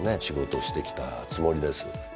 仕事をしてきたつもりです。